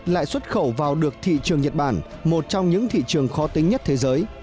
lại xuất khẩu vào được thị trường nhật bản một trong những thị trường khó tính nhất thế giới